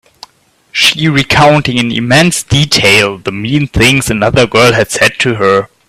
She recounting in immense detail the mean things another girl had said to her.